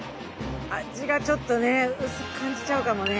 味がちょっとね薄く感じちゃうかもね。